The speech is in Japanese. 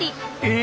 え！